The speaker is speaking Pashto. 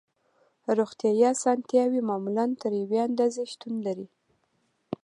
روغتیایی اسانتیاوې معمولاً تر یوې اندازې شتون لري